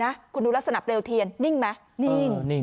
หญิงบอกว่าจะเป็นพี่ปวกหญิงบอกว่าจะเป็นพี่ปวก